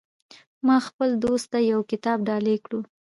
ما خپل دوست ته یو کتاب ډالۍ کړو